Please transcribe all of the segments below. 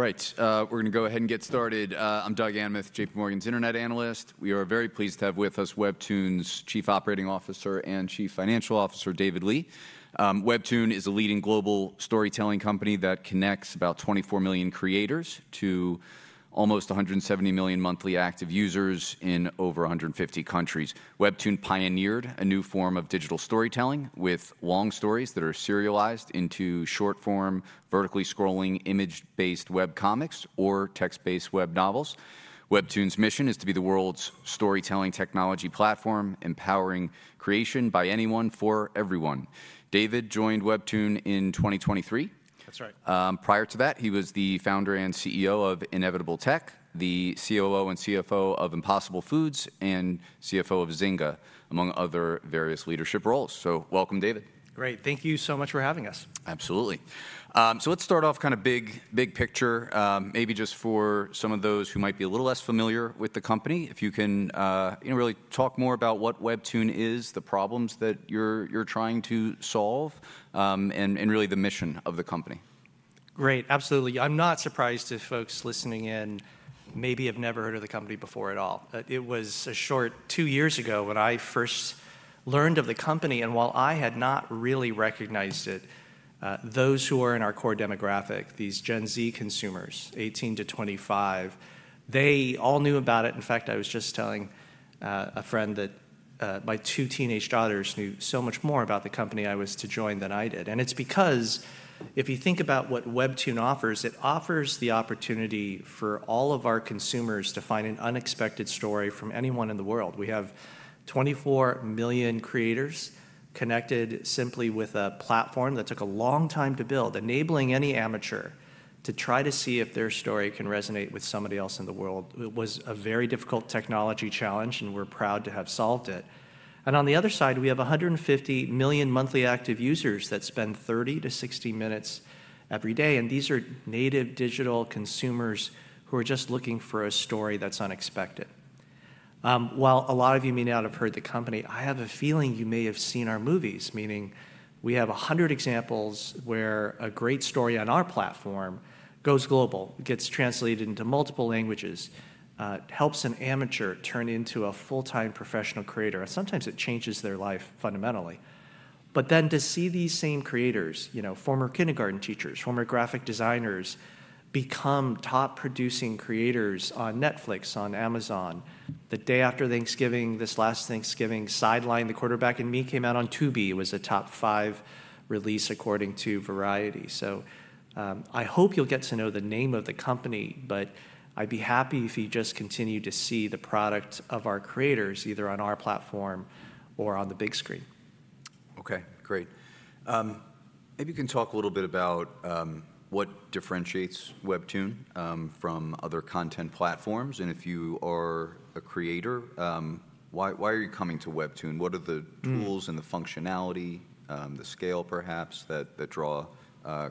All right, we'e going to go ahead and get started. I'm Doug Anmuth, J.P. Morgan's Internet Analyst. We are very pleased to have with us WEBTOON's Chief Operating Officer and Chief Financial Officer, David Lee. WEBTOON is a leading global storytelling company that connects about 24 million creators to almost 170 million monthly active users in over 150 countries. WEBTOON pioneered a new form of digital storytelling with long stories that are serialized into short form, vertically scrolling, image-based webcomics, or text-based web novels. WEBTOON's mission is to be the world's storytelling technology platform, empowering creation by anyone for everyone. David joined WEBTOON in 2023. That's right. Prior to that, he was the founder and CEO of Inevitable Tech, the COO and CFO of Impossible Foods, and CFO of Zynga, among other various leadership roles. Welcome, David. Great. Thank you so much for having us. Absolutely. Let's start off kind of big picture, maybe just for some of those who might be a little less familiar with the company, if you can really talk more about what WEBTOON is, the problems that you're trying to solve, and really the mission of the company. Great. Absolutely. I'm not surprised if folks listening in maybe have never heard of the company before at all. It was a short two years ago when I first learned of the company. While I had not really recognized it, those who are in our core demographic, these Gen Z consumers, 18 to 25, they all knew about it. In fact, I was just telling a friend that my two teenage daughters knew so much more about the company I was to join than I did. It's because if you think about what WEBTOON offers, it offers the opportunity for all of our consumers to find an unexpected story from anyone in the world. We have 24 million creators connected simply with a platform that took a long time to build, enabling any amateur to try to see if their story can resonate with somebody else in the world. It was a very difficult technology challenge, and we're proud to have solved it. On the other side, we have 150 million monthly active users that spend 30-60 minutes every day. These are native digital consumers who are just looking for a story that's unexpected. While a lot of you may not have heard the company, I have a feeling you may have seen our movies, meaning we have 100 examples where a great story on our platform goes global, gets translated into multiple languages, helps an amateur turn into a full-time professional creator. Sometimes it changes their life fundamentally. Then to see these same creators, former kindergarten teachers, former graphic designers become top producing creators on Netflix, on Amazon, the day after Thanksgiving, this last Thanksgiving, Sideline, The Quarterback and Me came out on Tubi, was a top five release according to Variety. I hope you'll get to know the name of the company, but I'd be happy if you just continue to see the product of our creators either on our platform or on the big screen. OK, great. Maybe you can talk a little bit about what differentiates WEBTOON from other content platforms. If you are a creator, why are you coming to WEBTOON? What are the tools and the functionality, the scale perhaps, that draw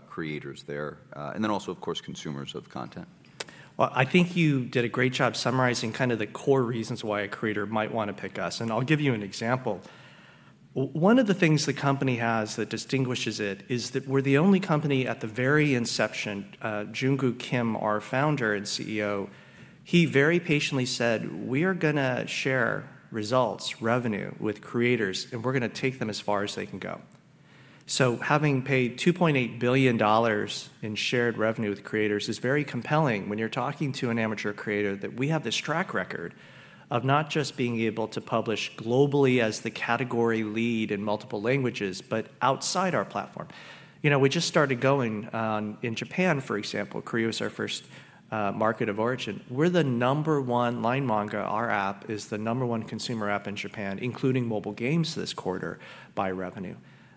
creators there? Also, of course, consumers of content. I think you did a great job summarizing kind of the core reasons why a creator might want to pick us. I'll give you an example. One of the things the company has that distinguishes it is that we're the only company at the very inception. Junkoo Kim, our founder and CEO, he very patiently said, we are going to share results, revenue with creators, and we're going to take them as far as they can go. Having paid $2.8 billion in shared revenue with creators is very compelling when you're talking to an amateur creator that we have this track record of not just being able to publish globally as the category lead in multiple languages, but outside our platform. We just started going in Japan, for example. Korea was our first market of origin. We're the number one LINE MANGA. Our app is the number one consumer app in Japan, including mobile games this quarter by revenue.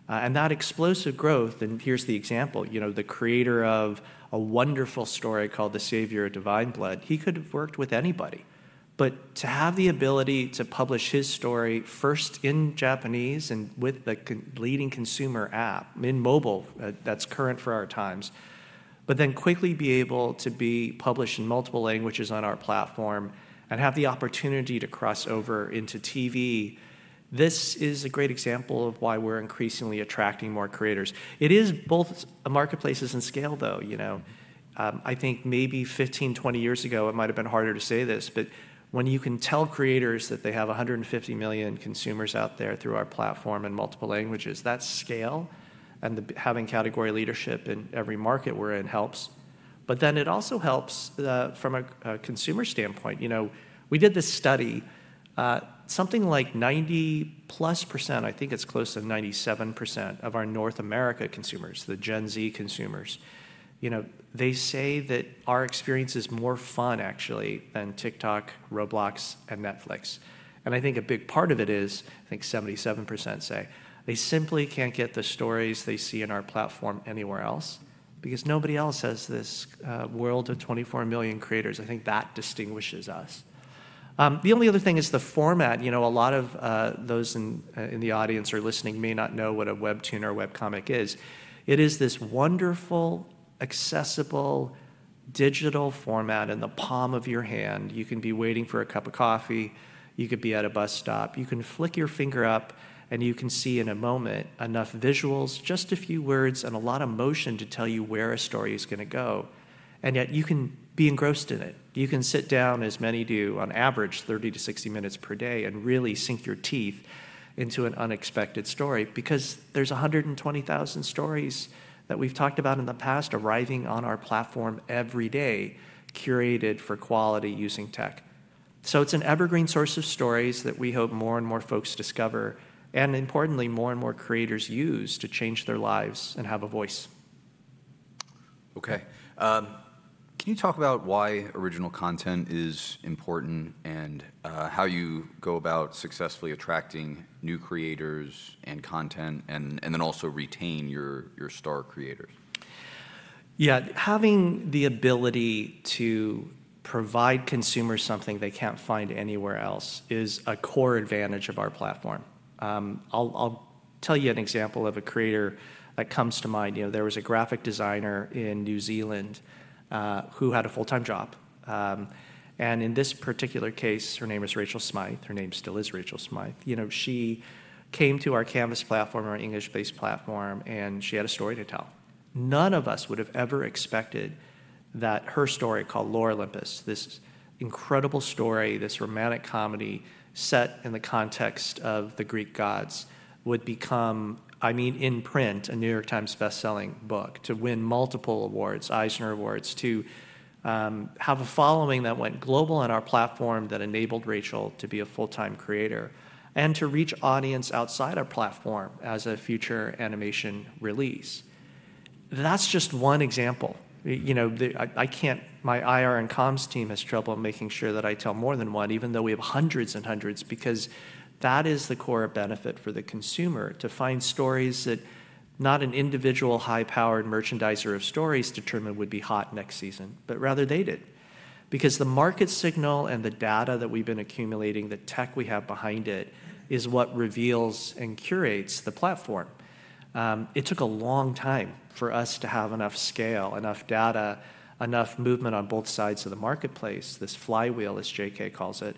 That explosive growth, and here's the example, the creator of a wonderful story called The Savior of Divine Blood, he could have worked with anybody. To have the ability to publish his story first in Japanese and with the leading consumer app in mobile that's current for our times, but then quickly be able to be published in multiple languages on our platform and have the opportunity to cross over into TV, this is a great example of why we're increasingly attracting more creators. It is both marketplaces and scale, though. I think maybe 15-20 years ago, it might have been harder to say this, but when you can tell creators that they have 150 million consumers out there through our platform in multiple languages, that scale and having category leadership in every market we're in helps. It also helps from a consumer standpoint. We did this study. Something like 90% plus, I think it's close to 97% of our North America consumers, the Gen Z consumers, they say that our experience is more fun actually than TikTok, Roblox, and Netflix. I think a big part of it is, I think 77% say, they simply can't get the stories they see in our platform anywhere else because nobody else has this world of 24 million creators. I think that distinguishes us. The only other thing is the format. A lot of those in the audience or listening may not know what a WEBTOON or a webcomic is. It is this wonderful, accessible digital format in the palm of your hand. You can be waiting for a cup of coffee. You could be at a bus stop. You can flick your finger up, and you can see in a moment enough visuals, just a few words, and a lot of motion to tell you where a story is going to go. Yet you can be engrossed in it. You can sit down, as many do on average, 30-60 minutes per day and really sink your teeth into an unexpected story because there are 120,000 stories that we have talked about in the past arriving on our platform every day, curated for quality using tech. It's an evergreen source of stories that we hope more and more folks discover and, importantly, more and more creators use to change their lives and have a voice. OK. Can you talk about why original content is important and how you go about successfully attracting new creators and content and then also retain your star creators? Yeah. Having the ability to provide consumers something they can't find anywhere else is a core advantage of our platform. I'll tell you an example of a creator that comes to mind. There was a graphic designer in New Zealand who had a full-time job. In this particular case, her name is Rachel Smythe. Her name still is Rachel Smythe. She came to our Canvas platform, our English-based platform, and she had a story to tell. None of us would have ever expected that her story called Lore Olympus, this incredible story, this romantic comedy set in the context of the Greek gods, would become, I mean, in print, a New York Times bestselling book, to win multiple awards, Eisner Awards, to have a following that went global on our platform that enabled Rachel to be a full-time creator and to reach audience outside our platform as a future animation release. That is just one example. My IR and comms team has trouble making sure that I tell more than one, even though we have hundreds and hundreds, because that is the core benefit for the consumer to find stories that not an individual high-powered merchandiser of stories determined would be hot next season, but rather they did. Because the market signal and the data that we've been accumulating, the tech we have behind it, is what reveals and curates the platform. It took a long time for us to have enough scale, enough data, enough movement on both sides of the marketplace, this flywheel, as J.K. calls it,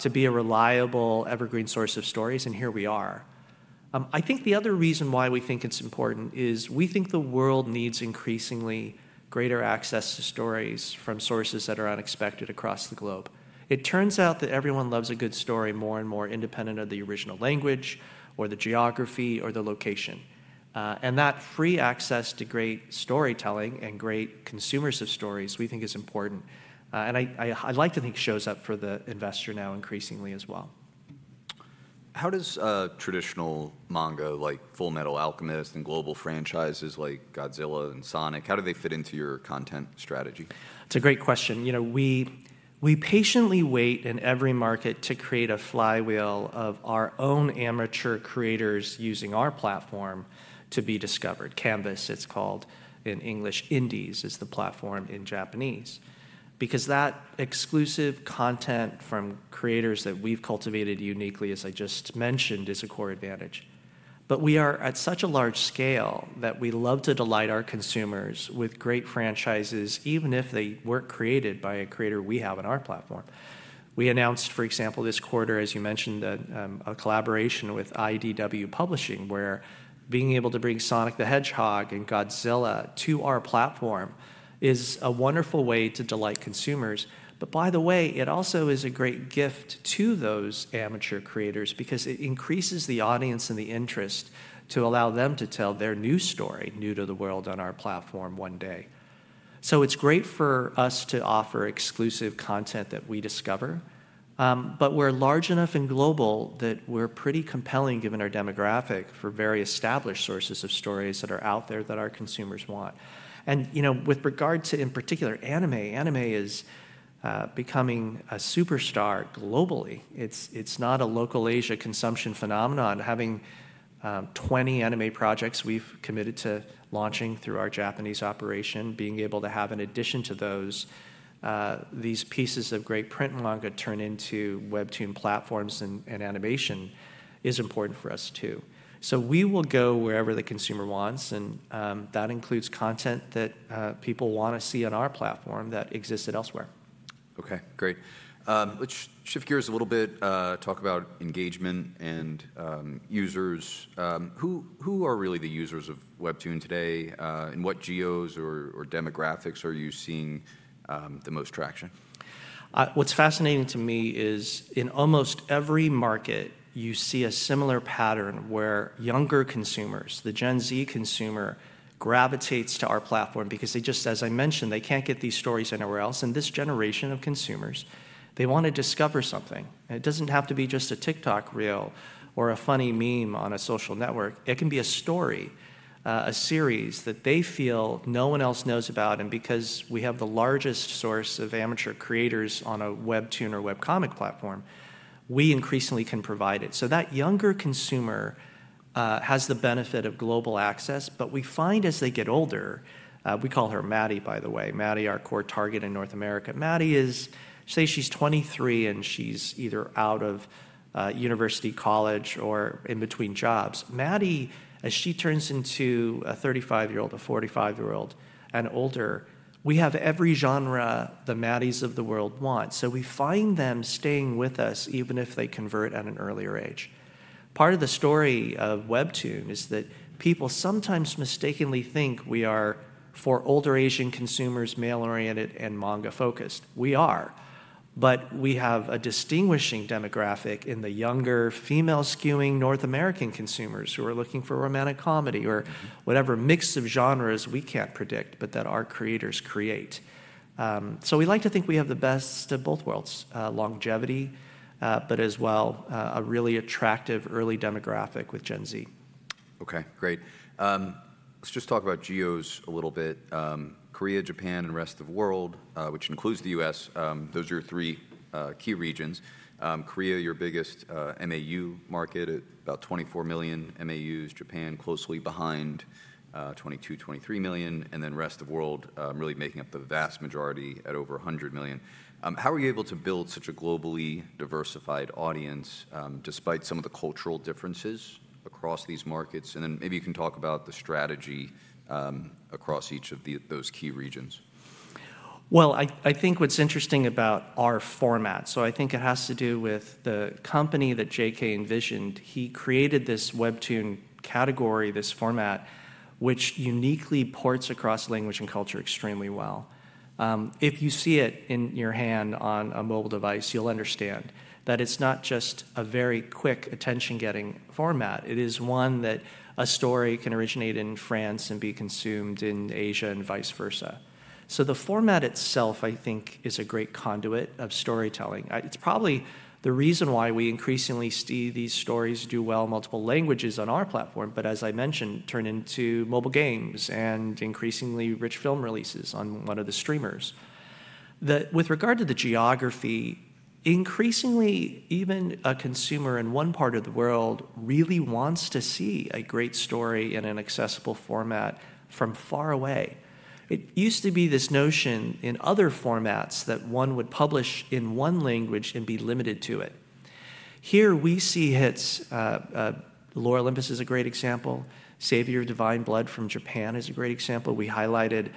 to be a reliable evergreen source of stories. Here we are. I think the other reason why we think it's important is we think the world needs increasingly greater access to stories from sources that are unexpected across the globe. It turns out that everyone loves a good story more and more independent of the original language or the geography or the location. That free access to great storytelling and great consumers of stories we think is important. I'd like to think it shows up for the investor now increasingly as well. How does traditional manga like Fullmetal Alchemist and global franchises like Godzilla and Sonic, how do they fit into your content strategy? It's a great question. We patiently wait in every market to create a flywheel of our own amateur creators using our platform to be discovered. Canvas, it's called in English, Indies is the platform in Japanese, because that exclusive content from creators that we've cultivated uniquely, as I just mentioned, is a core advantage. We are at such a large scale that we love to delight our consumers with great franchises, even if they were not created by a creator we have on our platform. We announced, for example, this quarter, as you mentioned, a collaboration with IDW Publishing, where being able to bring Sonic the Hedgehog and Godzilla to our platform is a wonderful way to delight consumers. By the way, it also is a great gift to those amateur creators because it increases the audience and the interest to allow them to tell their new story new to the world on our platform one day. It is great for us to offer exclusive content that we discover. We are large enough and global that we are pretty compelling, given our demographic, for very established sources of stories that are out there that our consumers want. With regard to, in particular, anime, anime is becoming a superstar globally. It is not a local Asia consumption phenomenon. Having 20 anime projects we have committed to launching through our Japanese operation, being able to have in addition to those, these pieces of great print and manga turn into WEBTOON platforms and animation is important for us too. We will go wherever the consumer wants. That includes content that people want to see on our platform that exists elsewhere. OK, great. Let's shift gears a little bit, talk about engagement and users. Who are really the users of WEBTOON today? In what geos or demographics are you seeing the most traction? What's fascinating to me is in almost every market, you see a similar pattern where younger consumers, the Gen Z consumer, gravitates to our platform because they just, as I mentioned, they can't get these stories anywhere else. This generation of consumers, they want to discover something. It doesn't have to be just a TikTok reel or a funny meme on a social network. It can be a story, a series that they feel no one else knows about. Because we have the largest source of amateur creators on a WEBTOON or webcomic platform, we increasingly can provide it. That younger consumer has the benefit of global access. We find as they get older, we call her Maddie, by the way, Maddie, our core target in North America. Maddie is, say she's 23 and she's either out of university college or in between jobs. Maddie, as she turns into a 35-year-old, a 45-year-old, and older, we have every genre the Maddies of the world want. We find them staying with us, even if they convert at an earlier age. Part of the story of WEBTOON is that people sometimes mistakenly think we are for older Asian consumers, male-oriented and manga-focused. We are. We have a distinguishing demographic in the younger female-skewing North American consumers who are looking for romantic comedy or whatever mix of genres we cannot predict, but that our creators create. We like to think we have the best of both worlds, longevity, but as well a really attractive early demographic with Gen Z. OK, great. Let's just talk about geos a little bit. Korea, Japan, and rest of the world, which includes the U.S., those are your three key regions. Korea, your biggest MAU market at about 24 million MAUs. Japan, closely behind, 22-23 million. And then rest of the world, really making up the vast majority at over 100 million. How are you able to build such a globally diversified audience despite some of the cultural differences across these markets? And then maybe you can talk about the strategy across each of those key regions. I think what's interesting about our format, so I think it has to do with the company that J.K. envisioned, he created this WEBTOON category, this format, which uniquely ports across language and culture extremely well. If you see it in your hand on a mobile device, you'll understand that it's not just a very quick attention-getting format. It is one that a story can originate in France and be consumed in Asia and vice versa. The format itself, I think, is a great conduit of storytelling. It's probably the reason why we increasingly see these stories do well in multiple languages on our platform, but as I mentioned, turn into mobile games and increasingly rich film releases on one of the streamers. With regard to the geography, increasingly, even a consumer in one part of the world really wants to see a great story in an accessible format from far away. It used to be this notion in other formats that one would publish in one language and be limited to it. Here we see hits. Lore Olympus is a great example. The Savior of Divine Blood from Japan is a great example. We highlighted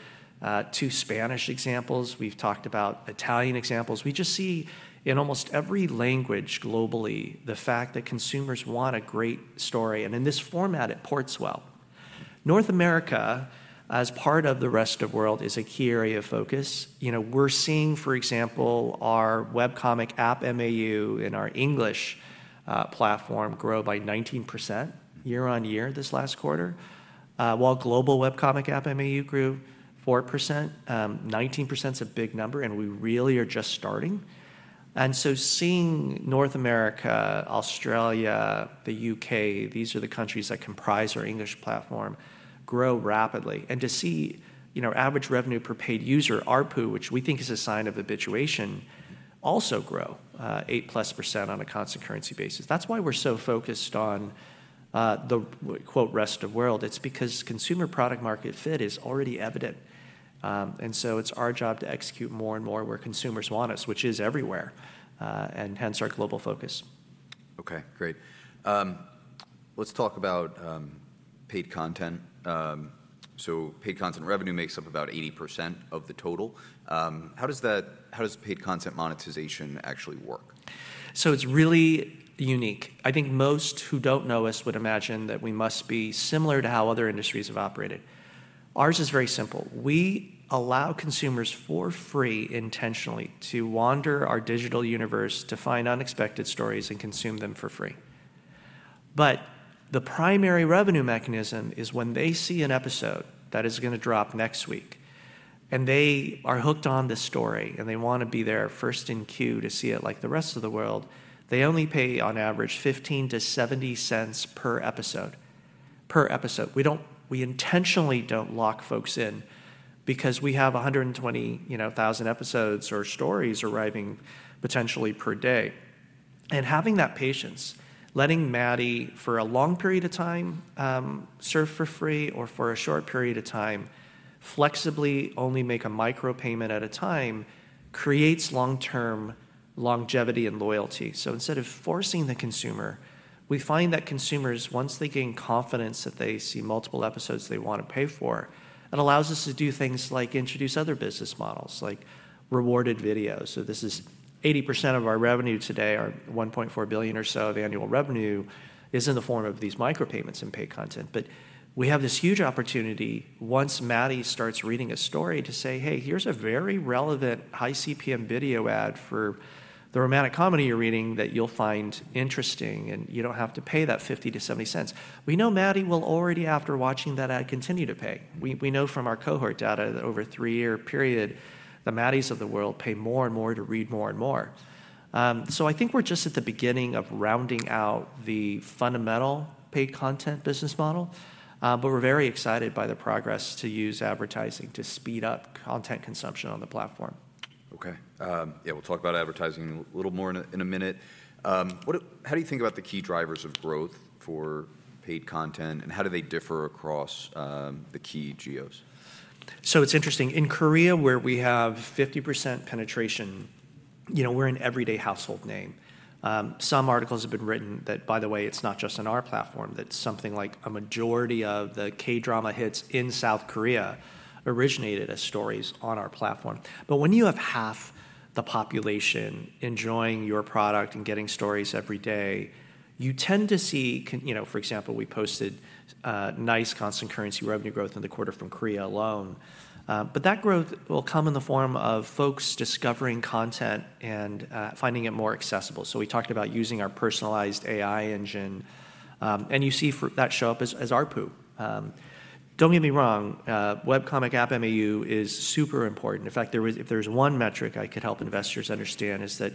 two Spanish examples. We've talked about Italian examples. We just see in almost every language globally the fact that consumers want a great story. In this format, it ports well. North America, as part of the rest of the world, is a key area of focus. We're seeing, for example, our webcomic app MAU in our English platform grow by 19% year on year this last quarter, while global webcomic app MAU grew 4%. 19% is a big number, and we really are just starting. Seeing North America, Australia, the U.K., these are the countries that comprise our English platform, grow rapidly. To see average revenue per paid user, ARPU, which we think is a sign of habituation, also grow 8% plus on a constant currency basis. That is why we are so focused on the "rest of the world." It is because consumer product-market fit is already evident. It is our job to execute more and more where consumers want us, which is everywhere, and hence our global focus. OK, great. Let's talk about paid content. Paid content revenue makes up about 80% of the total. How does paid content monetization actually work? It is really unique. I think most who do not know us would imagine that we must be similar to how other industries have operated. Ours is very simple. We allow consumers for free, intentionally, to wander our digital universe to find unexpected stories and consume them for free. The primary revenue mechanism is when they see an episode that is going to drop next week, and they are hooked on the story, and they want to be there first in queue to see it like the rest of the world, they only pay, on average, $0.15-$0.70 per episode. Per episode. We intentionally do not lock folks in because we have 120,000 episodes or stories arriving potentially per day. Having that patience, letting Maddie for a long period of time serve for free or for a short period of time flexibly only make a micro payment at a time creates long-term longevity and loyalty. Instead of forcing the consumer, we find that consumers, once they gain confidence that they see multiple episodes they want to pay for, it allows us to do things like introduce other business models, like rewarded videos. This is 80% of our revenue today, our $1.4 billion or so of annual revenue, is in the form of these micro payments and paid content. We have this huge opportunity, once Maddie starts reading a story, to say, hey, here is a very relevant high CPM video ad for the romantic comedy you are reading that you will find interesting, and you do not have to pay that $0.50-$0.70. We know Maddie will already, after watching that ad, continue to pay. We know from our cohort data that over a three-year period, the Maddies of the world pay more and more to read more and more. I think we're just at the beginning of rounding out the fundamental paid content business model. We are very excited by the progress to use advertising to speed up content consumption on the platform. OK. Yeah, we'll talk about advertising a little more in a minute. How do you think about the key drivers of growth for paid content, and how do they differ across the key geos? It's interesting. In Korea, where we have 50% penetration, we're an everyday household name. Some articles have been written that, by the way, it's not just on our platform, that something like a majority of the K-drama hits in South Korea originated as stories on our platform. When you have half the population enjoying your product and getting stories every day, you tend to see, for example, we posted nice constant currency revenue growth in the quarter from Korea alone. That growth will come in the form of folks discovering content and finding it more accessible. We talked about using our personalized AI engine. You see that show up as ARPU. Don't get me wrong, webcomic app MAU is super important. In fact, if there's one metric I could help investors understand, it's that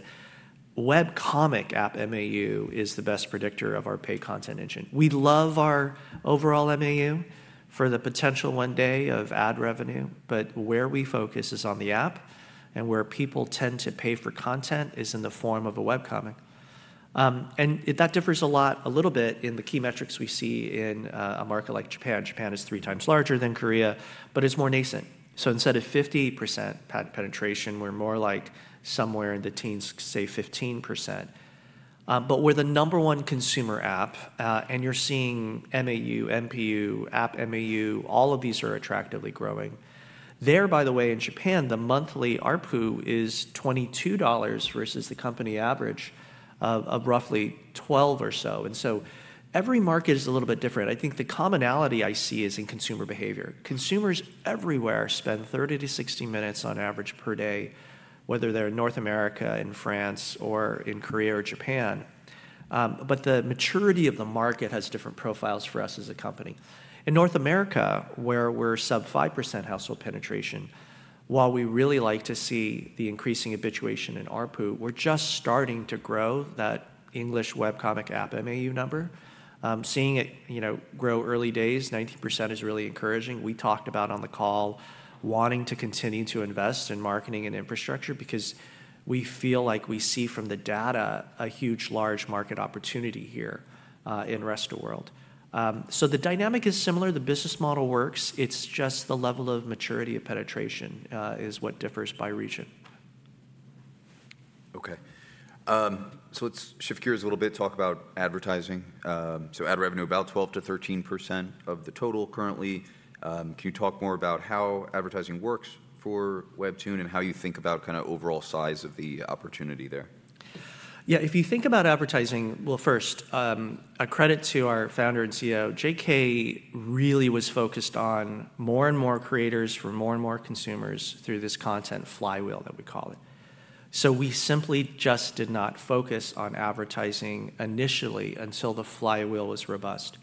webcomic app MAU is the best predictor of our paid content engine. We love our overall MAU for the potential one day of ad revenue. Where we focus is on the app. Where people tend to pay for content is in the form of a webcomic. That differs a little bit in the key metrics we see in a market like Japan. Japan is three times larger than Korea, but it is more nascent. Instead of 50% penetration, we are more like somewhere in the teens, say 15%. We are the number one consumer app. You are seeing MAU, MPU, app MAU, all of these are attractively growing. There, by the way, in Japan, the monthly ARPU is $22 versus the company average of roughly $12 or so. Every market is a little bit different. I think the commonality I see is in consumer behavior. Consumers everywhere spend 30-60 minutes on average per day, whether they're in North America and France or in Korea or Japan. The maturity of the market has different profiles for us as a company. In North America, where we're sub 5% household penetration, while we really like to see the increasing habituation in ARPU, we're just starting to grow that English webcomic app MAU number. Seeing it grow early days, 90% is really encouraging. We talked about on the call wanting to continue to invest in marketing and infrastructure because we feel like we see from the data a huge large market opportunity here in rest of the world. The dynamic is similar. The business model works. It's just the level of maturity of penetration is what differs by region. OK. Let's shift gears a little bit, talk about advertising. Ad revenue, about 12%-13% of the total currently. Can you talk more about how advertising works for WEBTOON and how you think about kind of overall size of the opportunity there? Yeah, if you think about advertising, first, a credit to our founder and CEO. J.K. really was focused on more and more creators for more and more consumers through this content flywheel that we call it. We simply just did not focus on advertising initially until the flywheel was robust.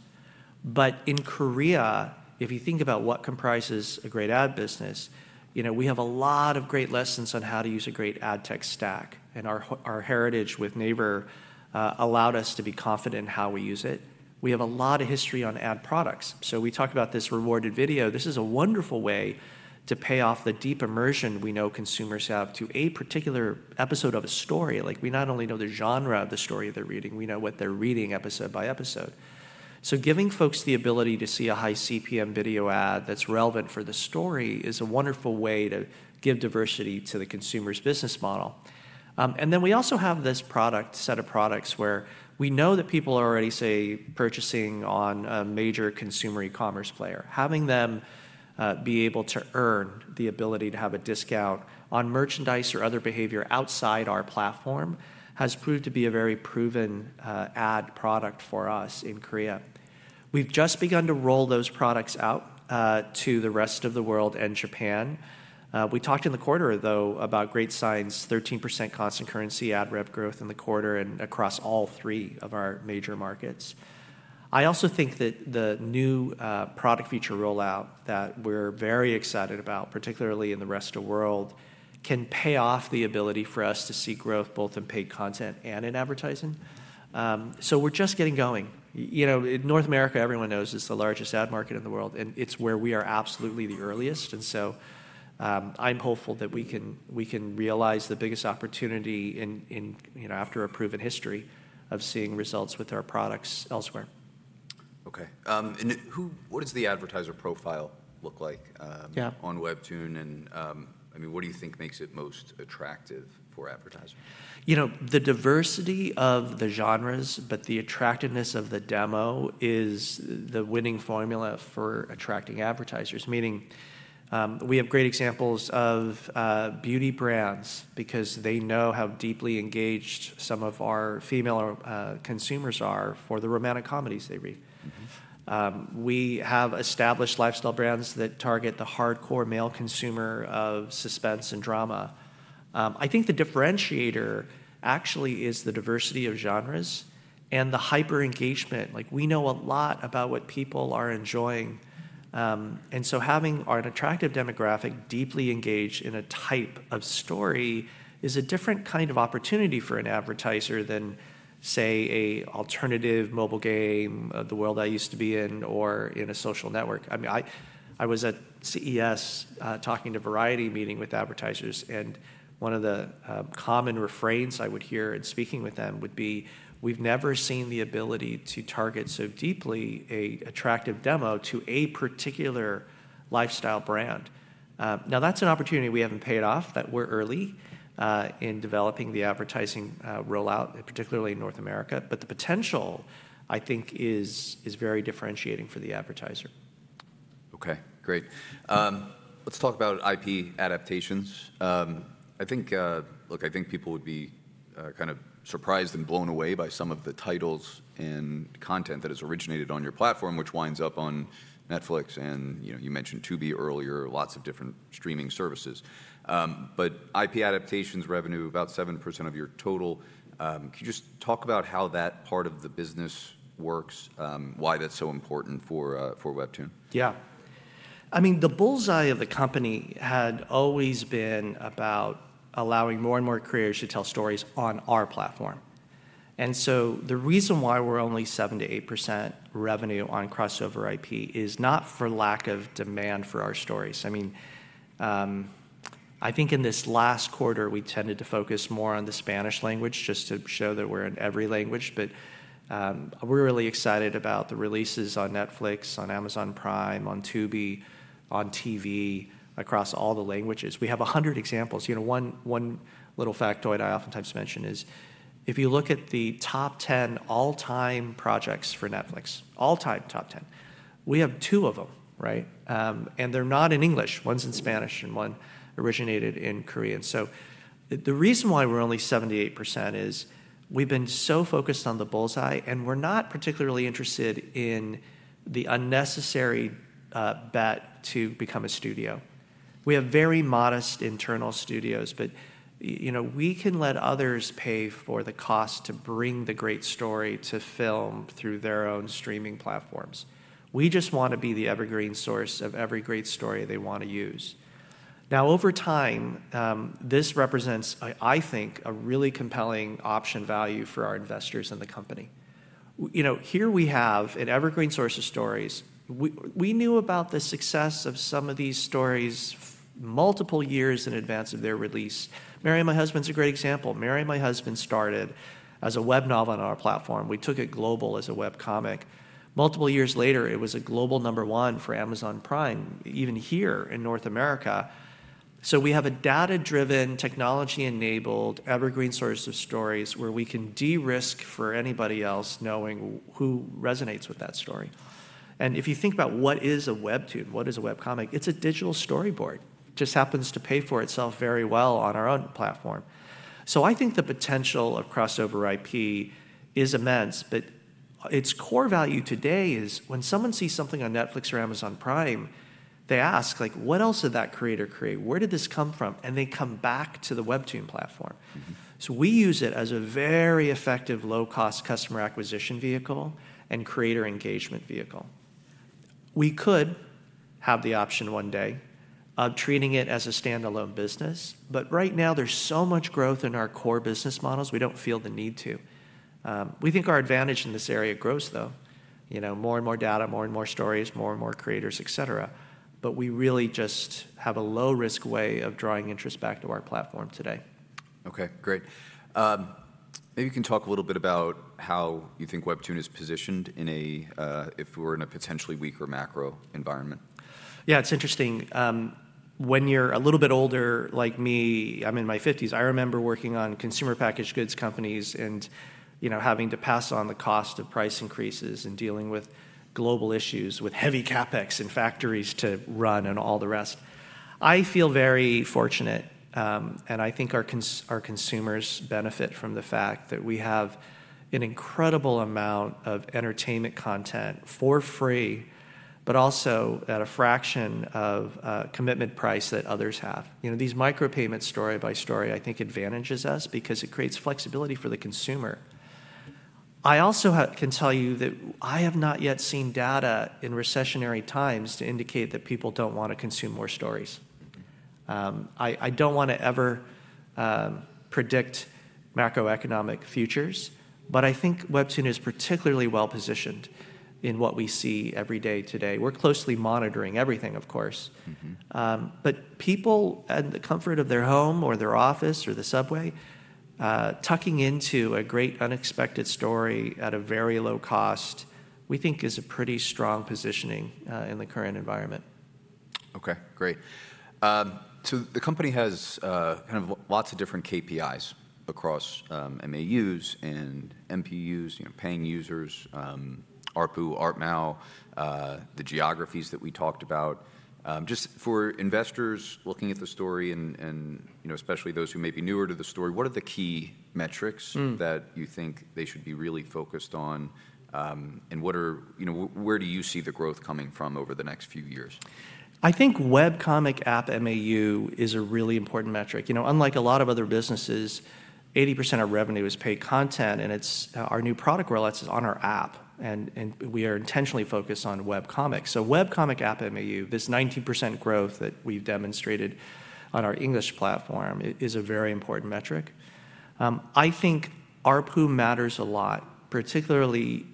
In Korea, if you think about what comprises a great ad business, we have a lot of great lessons on how to use a great ad tech stack. Our heritage with Naver allowed us to be confident in how we use it. We have a lot of history on ad products. We talk about this rewarded video. This is a wonderful way to pay off the deep immersion we know consumers have to a particular episode of a story. We not only know the genre of the story they're reading, we know what they're reading episode by episode. Giving folks the ability to see a high CPM video ad that's relevant for the story is a wonderful way to give diversity to the consumer's business model. We also have this set of products where we know that people are already, say, purchasing on a major consumer e-commerce player. Having them be able to earn the ability to have a discount on merchandise or other behavior outside our platform has proved to be a very proven ad product for us in Korea. We've just begun to roll those products out to the rest of the world and Japan. We talked in the quarter, though, about great signs, 13% constant currency ad revenue growth in the quarter and across all three of our major markets. I also think that the new product feature rollout that we're very excited about, particularly in the rest of the world, can pay off the ability for us to see growth both in paid content and in advertising. We're just getting going. North America, everyone knows, is the largest ad market in the world. It's where we are absolutely the earliest. I'm hopeful that we can realize the biggest opportunity after a proven history of seeing results with our products elsewhere. OK. What does the advertiser profile look like on WEBTOON? What do you think makes it most attractive for advertisers? The diversity of the genres, but the attractiveness of the demo is the winning formula for attracting advertisers, meaning we have great examples of beauty brands because they know how deeply engaged some of our female consumers are for the romantic comedies they read. We have established lifestyle brands that target the hardcore male consumer of suspense and drama. I think the differentiator actually is the diversity of genres and the hyper engagement. We know a lot about what people are enjoying. Having an attractive demographic deeply engaged in a type of story is a different kind of opportunity for an advertiser than, say, an alternative mobile game of the world I used to be in or in a social network. I was at CES talking to Variety, meeting with advertisers. One of the common refrains I would hear in speaking with them would be, we've never seen the ability to target so deeply an attractive demo to a particular lifestyle brand. Now, that's an opportunity we haven't paid off that we're early in developing the advertising rollout, particularly in North America. The potential, I think, is very differentiating for the advertiser. OK, great. Let's talk about IP adaptations. I think, look, I think people would be kind of surprised and blown away by some of the titles and content that has originated on your platform, which winds up on Netflix. You mentioned Tubi earlier, lots of different streaming services. IP adaptations revenue, about 7% of your total. Can you just talk about how that part of the business works, why that's so important for WEBTOON? Yeah. I mean, the bullseye of the company had always been about allowing more and more creators to tell stories on our platform. The reason why we're only 7%-8% revenue on crossover IP is not for lack of demand for our stories. I mean, I think in this last quarter, we tended to focus more on the Spanish language just to show that we're in every language. We're really excited about the releases on Netflix, on Amazon Prime, on Tubi, on TV, across all the languages. We have 100 examples. One little factoid I oftentimes mention is if you look at the top 10 all-time projects for Netflix, all-time top 10, we have two of them, right? They're not in English. One's in Spanish, and one originated in Korean. The reason why we're only 78% is we've been so focused on the bullseye, and we're not particularly interested in the unnecessary bet to become a studio. We have very modest internal studios. We can let others pay for the cost to bring the great story to film through their own streaming platforms. We just want to be the evergreen source of every great story they want to use. Now, over time, this represents, I think, a really compelling option value for our investors and the company. Here we have an evergreen source of stories. We knew about the success of some of these stories multiple years in advance of their release. Mary and My Husband is a great example. Mary and My Husband started as a web novel on our platform. We took it global as a webcomic. Multiple years later, it was a global number one for Amazon Prime, even here in North America. We have a data-driven, technology-enabled evergreen source of stories where we can de-risk for anybody else knowing who resonates with that story. If you think about what is a WEBTOON, what is a webcomic, it is a digital storyboard. It just happens to pay for itself very well on our own platform. I think the potential of crossover IP is immense. Its core value today is when someone sees something on Netflix or Amazon Prime, they ask, what else did that creator create? Where did this come from? They come back to the WEBTOON platform. We use it as a very effective low-cost customer acquisition vehicle and creator engagement vehicle. We could have the option one day of treating it as a standalone business. Right now, there's so much growth in our core business models, we do not feel the need to. We think our advantage in this area grows, though. More and more data, more and more stories, more and more creators, et cetera. We really just have a low-risk way of drawing interest back to our platform today. OK, great. Maybe you can talk a little bit about how you think WEBTOON is positioned if we're in a potentially weaker macro environment. Yeah, it's interesting. When you're a little bit older like me, I'm in my 50s, I remember working on consumer packaged goods companies and having to pass on the cost of price increases and dealing with global issues with heavy CapEx in factories to run and all the rest. I feel very fortunate. I think our consumers benefit from the fact that we have an incredible amount of entertainment content for free, but also at a fraction of commitment price that others have. These micropayments story by story, I think, advantages us because it creates flexibility for the consumer. I also can tell you that I have not yet seen data in recessionary times to indicate that people don't want to consume more stories. I don't want to ever predict macroeconomic futures. I think WEBTOON is particularly well positioned in what we see every day today. We're closely monitoring everything, of course. People in the comfort of their home or their office or the subway tucking into a great unexpected story at a very low cost, we think is a pretty strong positioning in the current environment. OK, great. The company has kind of lots of different KPIs across MAUs and MPUs, paying users, ARPU, ARTMOW, the geographies that we talked about. Just for investors looking at the story, especially those who may be newer to the story, what are the key metrics that you think they should be really focused on? Where do you see the growth coming from over the next few years? I think webcomic app MAU is a really important metric. Unlike a lot of other businesses, 80% of revenue is paid content. Our new product roulette is on our app. We are intentionally focused on webcomics. Webcomic app MAU, this 19% growth that we've demonstrated on our English platform, is a very important metric. I think ARPU matters a lot, particularly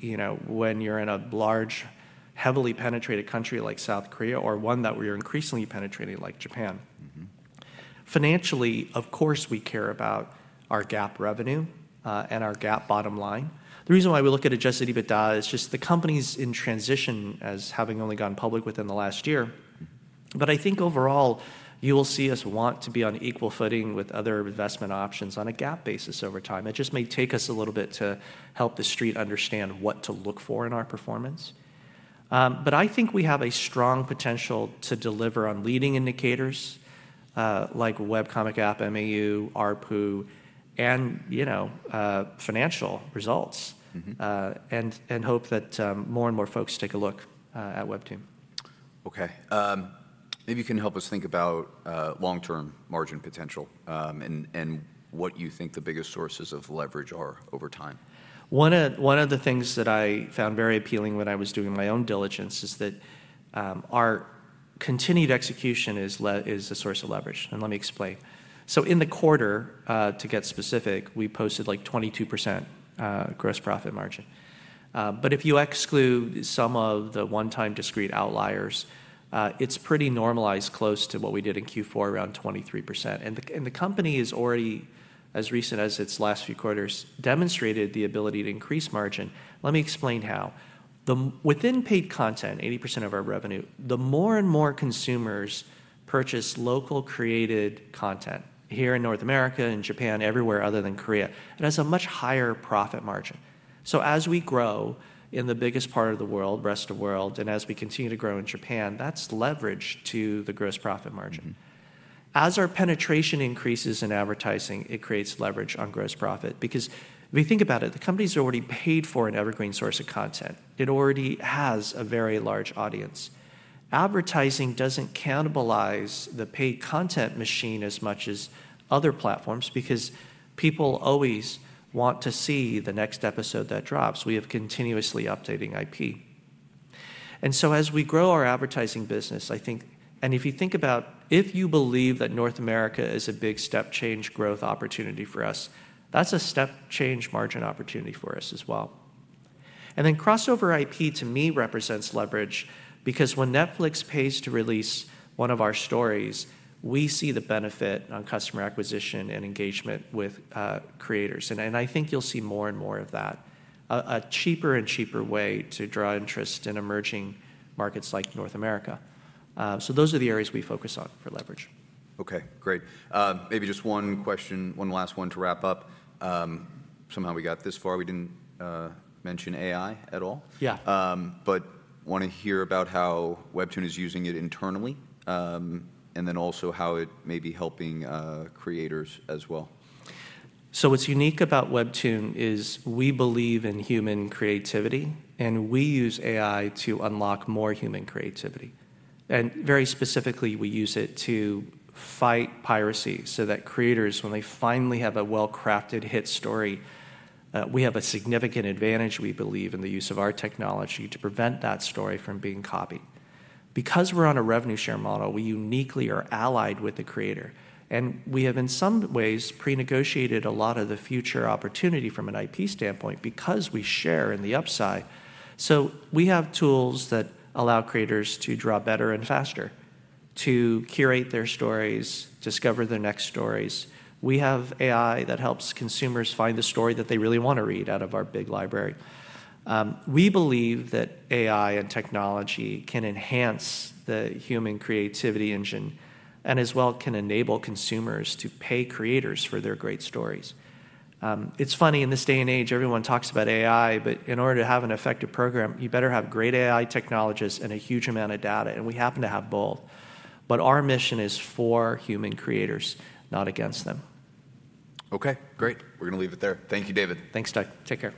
when you're in a large, heavily penetrated country like South Korea or one that we're increasingly penetrating like Japan. Financially, of course, we care about our GAAP revenue and our GAAP bottom line. The reason why we look at it just as even data is just the company's in transition as having only gone public within the last year. I think overall, you will see us want to be on equal footing with other investment options on a GAAP basis over time. It just may take us a little bit to help the street understand what to look for in our performance. I think we have a strong potential to deliver on leading indicators like webcomic app MAU, ARPU, and financial results, and hope that more and more folks take a look at WEBTOON. OK. Maybe you can help us think about long-term margin potential and what you think the biggest sources of leverage are over time. One of the things that I found very appealing when I was doing my own diligence is that our continued execution is a source of leverage. Let me explain. In the quarter, to get specific, we posted like 22% gross profit margin. If you exclude some of the one-time discrete outliers, it is pretty normalized close to what we did in Q4, around 23%. The company has already, as recent as its last few quarters, demonstrated the ability to increase margin. Let me explain how. Within paid content, 80% of our revenue, the more and more consumers purchase locally created content here in North America and Japan, everywhere other than Korea, it has a much higher profit margin. As we grow in the biggest part of the world, rest of the world, and as we continue to grow in Japan, that is leverage to the gross profit margin. As our penetration increases in advertising, it creates leverage on gross profit. Because if you think about it, the company has already paid for an evergreen source of content. It already has a very large audience. Advertising does not cannibalize the paid content machine as much as other platforms because people always want to see the next episode that drops. We have continuously updating IP. As we grow our advertising business, I think, and if you think about if you believe that North America is a big step change growth opportunity for us, that is a step change margin opportunity for us as well. Crossover IP, to me, represents leverage because when Netflix pays to release one of our stories, we see the benefit on customer acquisition and engagement with creators. I think you'll see more and more of that, a cheaper and cheaper way to draw interest in emerging markets like North America. Those are the areas we focus on for leverage. OK, great. Maybe just one question, one last one to wrap up. Somehow we got this far. We did not mention AI at all. Yeah. I want to hear about how WEBTOON is using it internally and then also how it may be helping creators as well. What's unique about WEBTOON is we believe in human creativity. We use AI to unlock more human creativity. Very specifically, we use it to fight piracy so that creators, when they finally have a well-crafted hit story, we have a significant advantage, we believe, in the use of our technology to prevent that story from being copied. Because we're on a revenue share model, we uniquely are allied with the creator. We have, in some ways, pre-negotiated a lot of the future opportunity from an IP standpoint because we share in the upside. We have tools that allow creators to draw better and faster, to curate their stories, discover their next stories. We have AI that helps consumers find the story that they really want to read out of our big library. We believe that AI and technology can enhance the human creativity engine and as well can enable consumers to pay creators for their great stories. It's funny, in this day and age, everyone talks about AI. In order to have an effective program, you better have great AI technologists and a huge amount of data. We happen to have both. Our mission is for human creators, not against them. OK, great. We're going to leave it there. Thank you, David. Thanks, Doug. Take care.